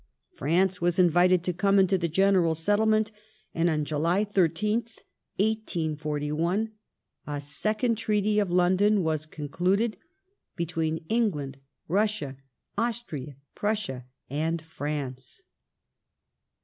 France was invited to come into the general settlement, and on July 13th, 1841, a Second Treaty of London was concluded between England, Russia, Austria, Prussia, and France.